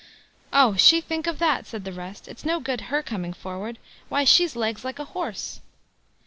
"Oh! she think of that!" said the rest; "it's no good her coming forward. Why, she's legs like a horse."